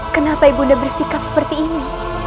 kenapa ibu nda bersikap seperti ini